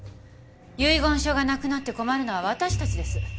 遺言書がなくなって困るのは私たちです。